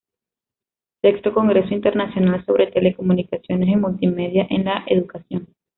Sexto Congreso Internacional sobre Telecomunicaciones y Multimedia en la Educación.